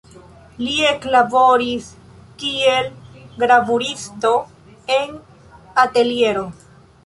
Li eklaboris kiel gravuristo en ateliero.